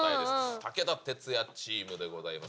武田鉄矢チームでございます。